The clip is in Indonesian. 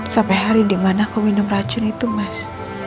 sampai hari di mana kau minum racun itu mas